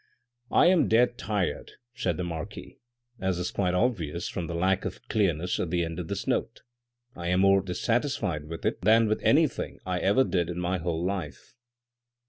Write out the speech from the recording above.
" I am dead tired," said the marquis, " as is quite obvious from the lack of clearness at the end of this note ; I am more dissatisfied with it than with anything I ever did in my whole life.